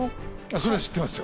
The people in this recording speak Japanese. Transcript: それは知ってますよ。